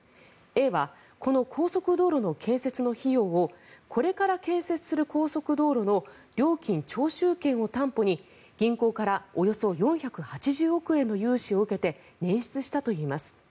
Ａはこの高速道路の建設の費用をこれから建設する高速道路の料金徴収権を担保に銀行からおよそ４８０億円の融資を受けてねん出したといいます。